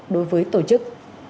đối với tổ chức